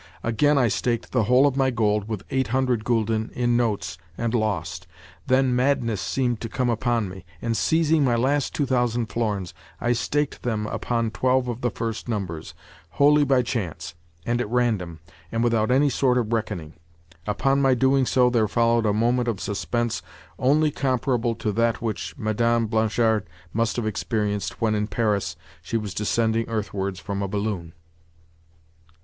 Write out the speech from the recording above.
Again I staked the whole of my gold, with eight hundred gülden, in notes, and lost. Then madness seemed to come upon me, and seizing my last two thousand florins, I staked them upon twelve of the first numbers—wholly by chance, and at random, and without any sort of reckoning. Upon my doing so there followed a moment of suspense only comparable to that which Madame Blanchard must have experienced when, in Paris, she was descending earthwards from a balloon.